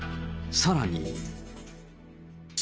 さらに。